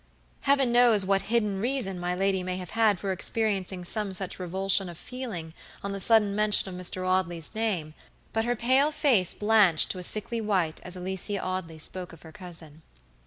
Heaven knows what hidden reason my lady may have had for experiencing some such revulsion of feeling on the sudden mention of Mr. Audley's name, but her pale face blanched to a sickly white as Alicia Audley spoke of her cousin.